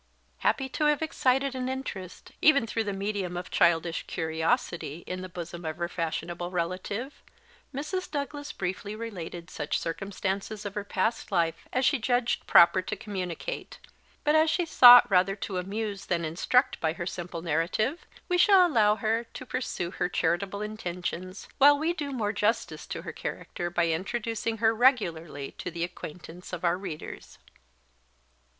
Happy to have excited an interest, even through the medium of childish curiosity, in the bosom of her fashionable relative, Mrs. Douglas briefly related such circumstances of her past life as she judged proper to communicate; but as she sought rather to amuse than instruct by her simple narrative, we shall allow her to pursue her charitable intentions, while we do more justice to her character by introducing her regularly to the acquaintance of our readers.